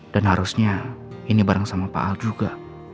dan harusnya ini bareng sama pak al juga